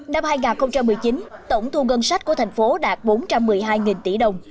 năm hai nghìn một mươi chín tổng thu ngân sách của thành phố đạt bốn trăm một mươi hai tỷ đồng